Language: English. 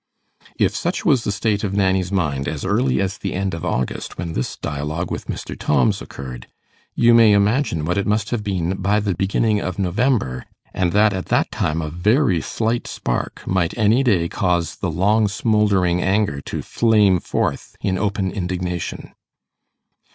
If such was the state of Nanny's mind as early as the end of August, when this dialogue with Mr. Tomms occurred, you may imagine what it must have been by the beginning of November, and that at that time a very slight spark might any day cause the long smouldering anger to flame forth in open indignation.